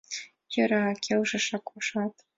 — Йӧра, — келшыш Акошат.